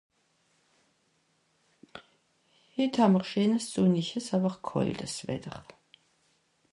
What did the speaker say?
Hitt hàà m'r scheens sunnisches àwer kàltes Wetter.